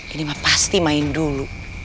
ini mah pasti main dulu